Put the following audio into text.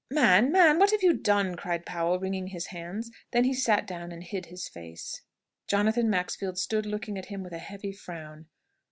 "Man, man, what have you done?" cried Powell, wringing his hands. Then he sat down and hid his face. Jonathan Maxfield stood looking at him with a heavy frown.